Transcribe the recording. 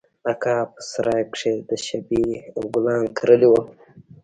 اکا په سراى کښې د شبۍ ګلان کرلي وو.